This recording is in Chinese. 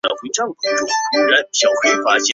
大穆瓦厄夫尔人口变化图示